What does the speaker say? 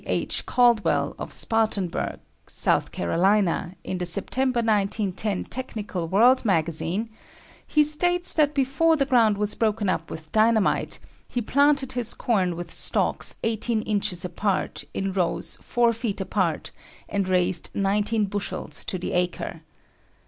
H. Caldwell, of Spartanburg, S. C., in the September, 1910, Technical World Magazine, he states that before the ground was broken up with dynamite, he planted his corn with stalks 18 inches apart in rows 4 feet apart and raised 90 bushels to the acre.